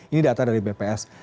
ini data dari bps